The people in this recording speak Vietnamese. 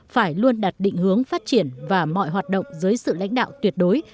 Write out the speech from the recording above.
phải luôn đặt định hướng phát triển và mọi hoạt động dưới sự lãnh đạo tuyệt đối